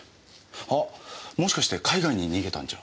あっもしかして海外に逃げたんじゃ？